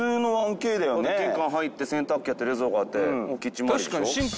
玄関入って洗濯機あって冷蔵庫あってキッチン周りでしょ？